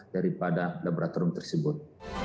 daripada laboratorium tersebut